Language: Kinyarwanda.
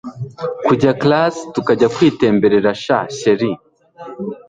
kujya class tukajya kwitemberera shn chr